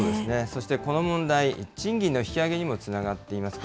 そしてこの問題、賃金の引き上げにもつながっています。